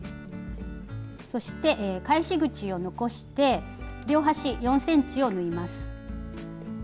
そして返し口を残して両端４ｃｍを縫います。